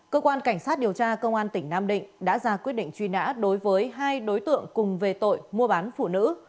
cơ quan cảnh sát điều tra công an tỉnh nam định đã ra quyết định truy nã đối với hai đối tượng cùng về tội mua bán phụ nữ